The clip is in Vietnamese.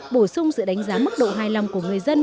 bổ sung sự đánh giá mức độ hài lòng của người dân